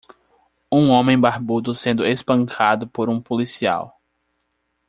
Um homem barbudo sendo espancado por um policial.